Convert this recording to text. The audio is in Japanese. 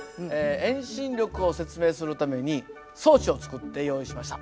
遠心力を説明するために装置を作って用意しました。